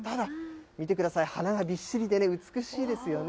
見てください、花がぎっしりでね、美しいですよね。